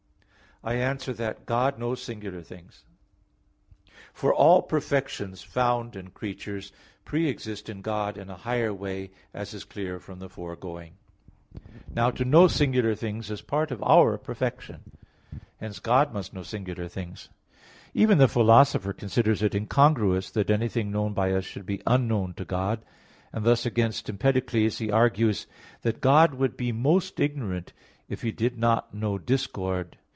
I answer that, God knows singular things. For all perfections found in creatures pre exist in God in a higher way, as is clear from the foregoing (Q. 4, A. 2). Now to know singular things is part of our perfection. Hence God must know singular things. Even the Philosopher considers it incongruous that anything known by us should be unknown to God; and thus against Empedocles he argues (De Anima i and Metaph. iii) that God would be most ignorant if He did not know discord.